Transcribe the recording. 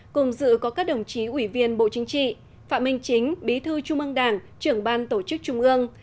cùng dự có các đồng chí ủy viên bộ chính trị phạm minh chính bí thư trung ương đảng trưởng ban tổ chức trung ương